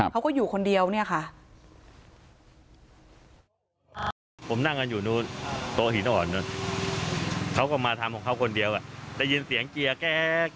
เขาก็อยู่คนเดียวเนี่ยค่ะ